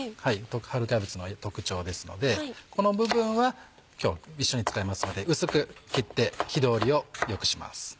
春キャベツの特徴ですのでこの部分は今日一緒に使いますので薄く切って火通りを良くします。